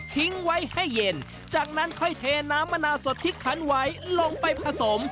ทิ้งไว้ให้เย็นจากนั้นค่อยเทน้ำมะนาวสดที่คันไว้ลงไปผสม